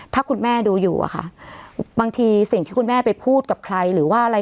ถ้าคุณแม่ดูอยู่อะค่ะบางทีสิ่งที่คุณแม่ไปพูดกับใครหรือว่าอะไร